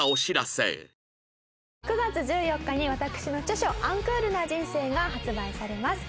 ９月１４日に私の著書『アンクールな人生』が発売されます。